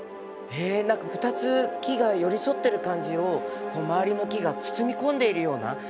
へえ何か２つ木が寄り添ってる感じを周りの木が包み込んでいるような。